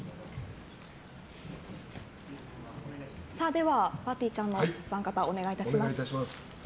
では、ぱーてぃーちゃんのお三方お願いします。